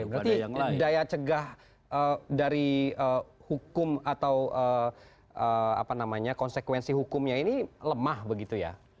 berarti daya cegah dari hukum atau konsekuensi hukumnya ini lemah begitu ya